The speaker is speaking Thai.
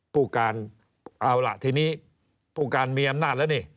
ผู้การเอาล่ะทีนี้ผู้การมีอำนาจแล้วนี่